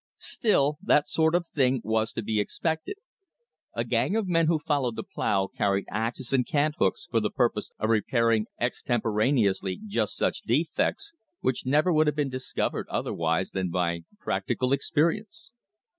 Still, that sort of thing was to be expected. A gang of men who followed the plow carried axes and cant hooks for the purpose of repairing extemporaneously just such defects, which never would have been discovered otherwise than by the practical experience.